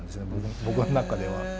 僕の中では。